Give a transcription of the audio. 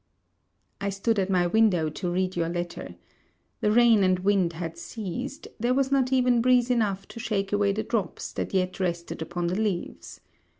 I stood at my window to read your letter. The rain and wind had ceased; there was not even breeze enough to shake away the drops that yet rested upon the leaves.